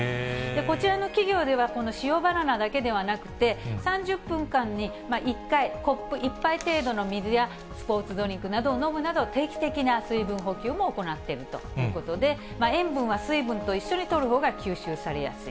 こちらの企業では、この塩バナナだけではなくて、３０分間に１回、コップ１杯程度の水やスポーツドリンクなどを飲むなど、定期的な水分補給も行っているということで、塩分は水分と一緒にとるほうが吸収されやすい。